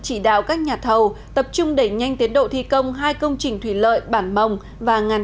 chỉ đạo các nhà thầu tập trung đẩy nhanh tiến độ thi công hai công trình thủy lợi bản mồng và ngàn